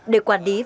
để quản định